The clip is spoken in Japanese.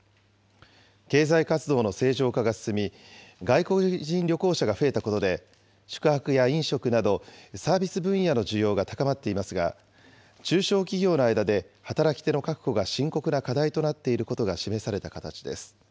経済活動の正常化が進み、外国人旅行者が増えたことで、宿泊や飲食などサービス分野の需要が高まっていますが、中小企業の間で働き手の確保が深刻な課題となっていることが示された形です。